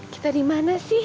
kita dimana sih